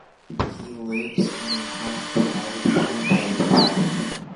He lives in a house provided for him by the people.